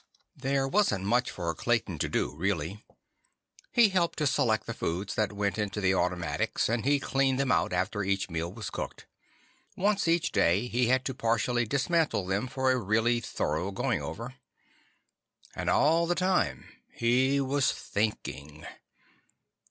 There wasn't much for Clayton to do, really. He helped to select the foods that went into the automatics, and he cleaned them out after each meal was cooked. Once every day, he had to partially dismantle them for a really thorough going over. And all the time, he was thinking.